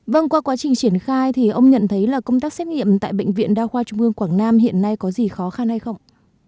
vâng qua quá trình triển khai thì ông nhận thấy là công tác xét nghiệm tại bệnh viện đa khoa trung ương quảng nam hiện nay có gì khó khăn hay không